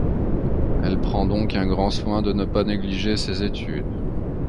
Elle prend donc grand soin de ne pas négliger ses études.